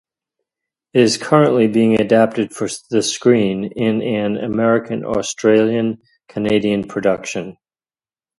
It is currently being adapted for the screen in an American-Australian-Canadian production.